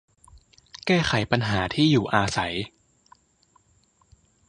แก้ไขปัญหาที่อยู่อาศัย